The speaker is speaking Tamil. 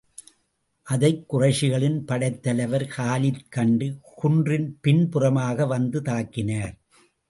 அதைக் குறைஷிகளின் படைத் தலைவர் காலித் கண்டு, குன்றின் பின்புறமாக வந்து தாக்கினார்.